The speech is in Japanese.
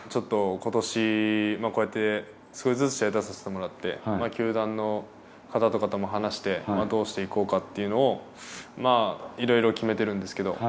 今年こうやって少しずつ試合に出させてもらってまあ球団の方とかとも話してどうしていこうかっていうのをいろいろ決めてるんですけど。